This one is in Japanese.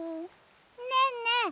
ねえねえ